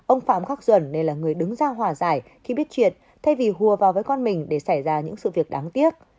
ông phạm khắc duẩn nên là người đứng ra hòa giải khi biết chuyện thay vì hùa vào với con mình để xảy ra những sự việc đáng tiếc